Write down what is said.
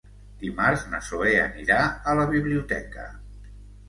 Dimarts na Zoè anirà a la biblioteca.